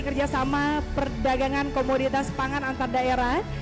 kerjasama perdagangan komoditas pangan antar daerah